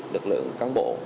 lực lượng cán bộ